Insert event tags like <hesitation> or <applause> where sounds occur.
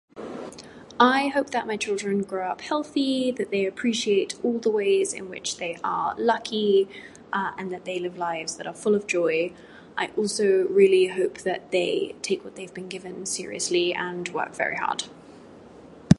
I hope that my children grow up healthy that they appreciate all the ways in which they are lucky <hesitation> and that they live lives that are full of joy. I also really hope that they take what they have been given seriously and work very hard.